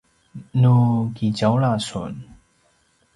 nu kitjaula sun